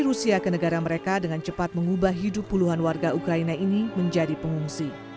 rusia ke negara mereka dengan cepat mengubah hidup puluhan warga ukraina ini menjadi pengungsi